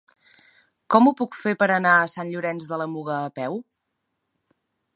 Com ho puc fer per anar a Sant Llorenç de la Muga a peu?